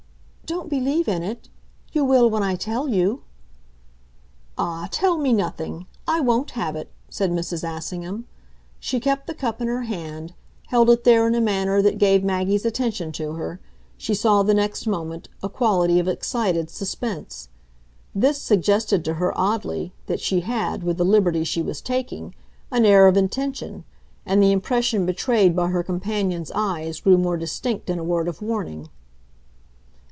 "Don't believe in it? You will when I tell you." "Ah, tell me nothing! I won't have it," said Mrs. Assingham. She kept the cup in her hand, held it there in a manner that gave Maggie's attention to her, she saw the next moment, a quality of excited suspense. This suggested to her, oddly, that she had, with the liberty she was taking, an air of intention, and the impression betrayed by her companion's eyes grew more distinct in a word of warning.